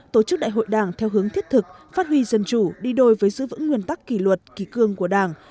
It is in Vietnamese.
tổ chức đại hội đảng theo hướng thiết thực phát huy dân chủ đi đôi với giữ vững nguyên tắc kỷ luật kỳ cương của đảng